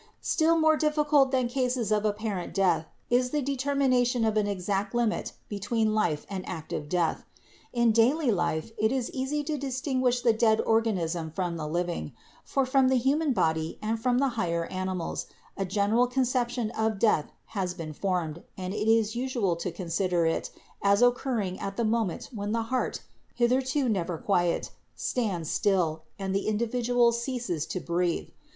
Still more difficult than cases of apparent death is the determination of an exact limit between life and active death. In daily life it is easy to distinguish the dead or ganism from the living, for from the human body and from the higher animals a general conception of death has been formed and it is usual to consider it as occurring at the moment when the heart, hitherto never quiet, stands still and the individual ceases to breathe.